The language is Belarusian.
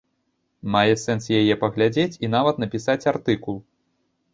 Мае сэнс яе паглядзець, і нават напісаць артыкул.